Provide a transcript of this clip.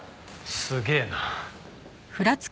すげえな。